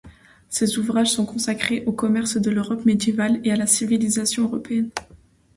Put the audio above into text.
Ses ouvrages sont consacrés au commerce de l'Europe médiévale et à la civilisation européenne.